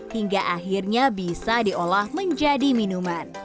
hingga akhirnya bisa diolah menjadi minuman